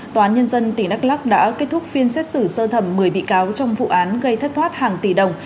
tòa án nhân dân tỉnh đắk lắc đã kết thúc phiên xét xử sơ thẩm một mươi bị cáo trong vụ án gây thất thoát hàng tỷ đồng